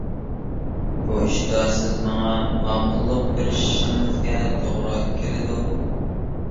بۇ ئىشتا سىز ماڭا ماقۇللۇق بېرىشىڭىزگە توغرا كېلىدۇ.